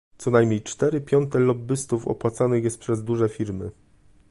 Co najmniej cztery piąte lobbystów opłacanych jest przez duże firmy